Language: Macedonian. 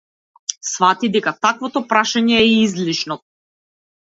Сфати дека таквото прашање ѝ е излишно.